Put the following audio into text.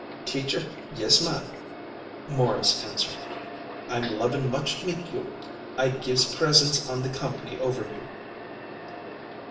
"Teacher, yiss ma'an," Morris answered. "I'm lovin' much mit you. I gives presents on the comp'ny over you."